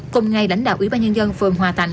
cùng ngày lãnh đạo ủy ban nhân dân phường hòa thạnh